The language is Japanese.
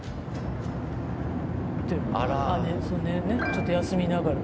ちょっと休みながら。